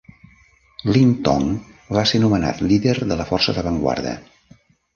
Ling Tong va ser nomenat líder de la força d'avantguarda.